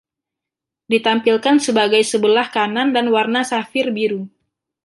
Ditampilkan sebagai sebelah kanan adalah warna safir biru.